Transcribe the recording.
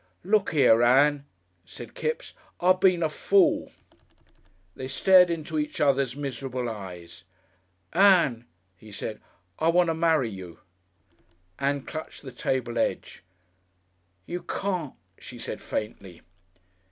"Look here, Ann," said Kipps. "I been a fool." They stared into each other's miserable eyes. "Ann," he said. "I want to marry you." Ann clutched the table edge. "You can't," she said faintly.